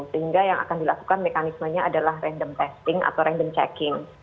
sehingga yang akan dilakukan mekanismenya adalah random testing atau random checking